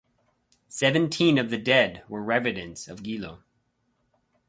Seventeen of the dead were residents of Gilo.